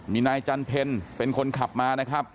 มีนายจันเพลเป็นคนขับมานะครับ